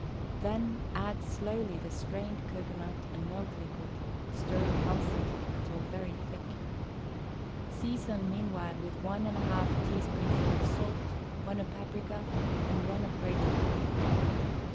Then add slowly the strained cocoanut and milk liquid, stirring constantly until very thick. Season meanwhile THE STAG COOK BOOK with one and a half teaspoonsful of salt; one of paprika, and one of grated onion.